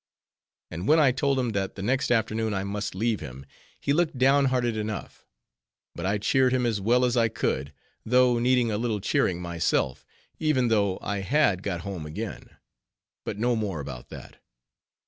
And when I told him that the next afternoon I must leave him; he looked downhearted enough. But I cheered him as well as I could; though needing a little cheering myself; even though I had got home again. But no more about that.